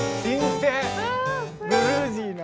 ブルージーな。